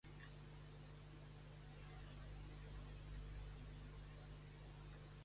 També va rebre elogis de Haydn, que era el seu amic, cosí llunyà i mecenes.